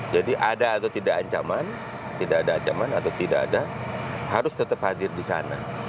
jadi ada atau tidak ancaman tidak ada ancaman atau tidak ada harus tetap hadir di sana